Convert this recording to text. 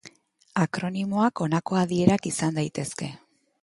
Akronimoak honako adierak izan ditzake.